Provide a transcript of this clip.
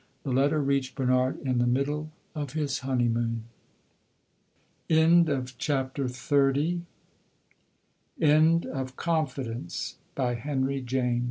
The letter reached Bernard in the middle of his honeymoon. End of the Project Gutenberg EBook of Confidence, by Henry Jame